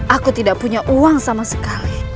aku tidak punya uang sama sekali